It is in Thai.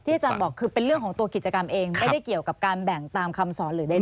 อาจารย์บอกคือเป็นเรื่องของตัวกิจกรรมเองไม่ได้เกี่ยวกับการแบ่งตามคำสอนหรือใด